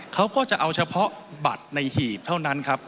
เขาก็จะเอาเฉพาะบัตรในหีบเท่านั้นครับ